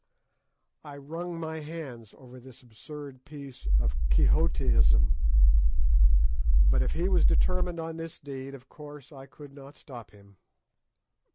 I wrung my hands over this absurd piece of Quixotism; but if he was determined on this deed, of course I could not stop him.